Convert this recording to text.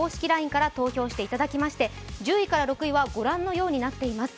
ＬＩＮＥから投票していただきまして、１０位から６位は御覧のようになっています。